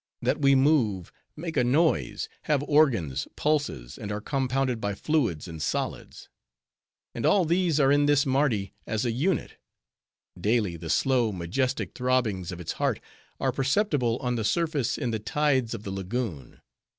That we move, make a noise, have organs, pulses, and are compounded of fluids and solids. And all these are in this Mardi as a unit. Daily the slow, majestic throbbings of its heart are perceptible on the surface in the tides of the la goon.